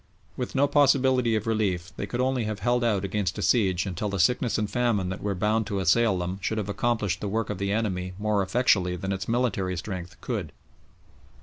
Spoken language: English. With no possibility of relief they could only have held out against a siege until the sickness and famine that were bound to assail them should have accomplished the work of the enemy more effectually than its military strength could.